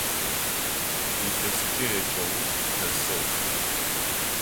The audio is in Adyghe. Илъэсыкӏэ еджэгъур къэсыгъ.